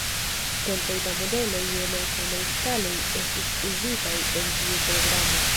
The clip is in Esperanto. Centoj da modeloj je malsamaj skaloj estis uzitaj en tiu programo.